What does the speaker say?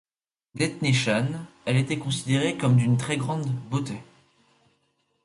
D'ethnie Shane, elle était considérée comme d'une très grande beauté.